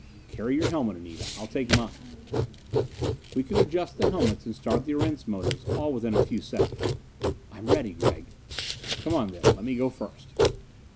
"Carry your helmet, Anita. I'll take mine." We could adjust the helmets and start the Erentz motors all within a few seconds. "I'm ready, Gregg." "Come on, then. Let me go first."